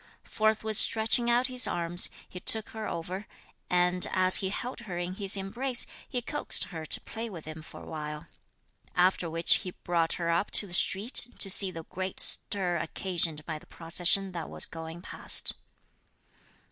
Forthwith stretching out his arms, he took her over, and, as he held her in his embrace, he coaxed her to play with him for a while; after which he brought her up to the street to see the great stir occasioned by the procession that was going past.